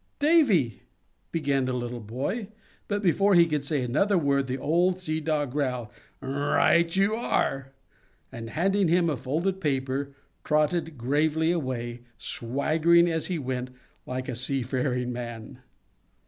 "Davy" began the little boy, but before he could say another word the old Sea Dog growled, "Right you are!" and, handing him a folded paper, trotted gravely away, swaggering, as he went, like a seafaring man.